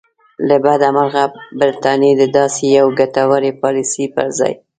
له بده مرغه برټانیې د داسې یوې ګټورې پالیسۍ پر ځای.